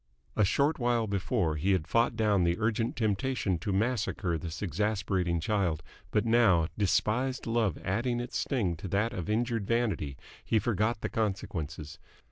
A short while before, he had fought down the urgent temptation to massacre this exasperating child, but now, despised love adding its sting to that of injured vanity, he forgot the consequences.